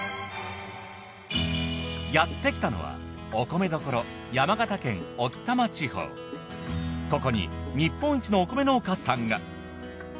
やってきたのはお米どころここに日本一のお米農家さんが。